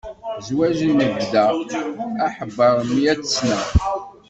Zwaǧ n bda, aḥebbeṛ meyyat sna.